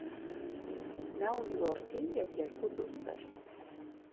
Նա ունի որդի և երկու դուստր։